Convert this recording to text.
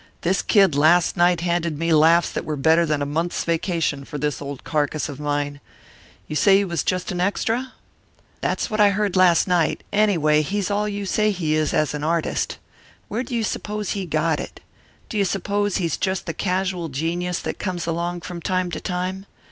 This kid last night handed me laughs that were better than a month's vacation for this old carcass of mine. You say he was just an extra?" "That's what I heard last night. Anyway, he's all you say he is as an artist. Where do you suppose he got it? Do you suppose he's just the casual genius that comes along from time to time?